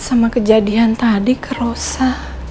sama kejadian tadi ke rosa